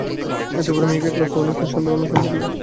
এত বড় মেয়েকে ক্লাস ওয়ানে অ্যাডমিশন দেয়ানো সম্ভব নয়।